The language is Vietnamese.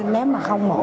nếu mà không ngổ